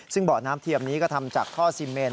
ซึ่งเบาะน้ำเทียมนี้ก็ทำจากท่อซีเมน